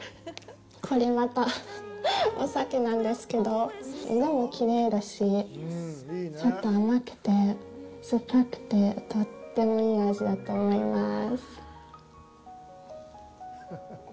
これまたお酒なんですけど、色もきれいだし、ちょっと甘くて、酸っぱくて、とってもいい味だと思います。